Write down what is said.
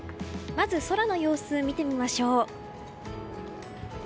まず空の様子、見てみましょう。